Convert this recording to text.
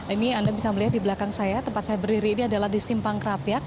ini anda bisa melihat di belakang saya tempat saya berdiri ini adalah di simpang kerapiak